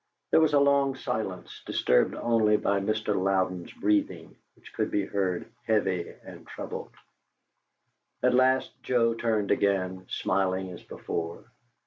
There was a long silence, disturbed only by Mr. Louden's breathing, which could be heard, heavy and troubled. At last Joe turned again, smiling as before.